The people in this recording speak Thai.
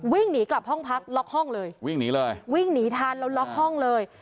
วิ่งหนีกลับห้องพักล็อกห้องเลยวิ่งหนีเลยวิ่งหนีทันแล้วล็อกห้องเลย